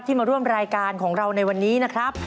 มาร่วมรายการของเราในวันนี้นะครับ